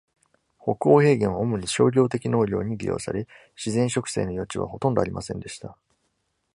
北欧平原は主に商業的農業に利用され、自然植生の余地はほとんどありませんでした。